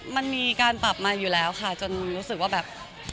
มันมีการปรับมาอยู่แล้วค่ะจนรู้สึกว่าแบบ